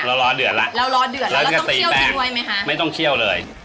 เรารอเดือดแล้วเรารอเดือดแล้วแล้วต้องเคี่ยวจริงไว้ไหมคะไม่ต้องเคี่ยวเลย